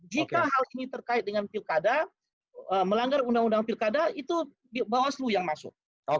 jika hal ini terkait dengan pilkada melanggar undang undang pilkada itu bawaslu yang masuk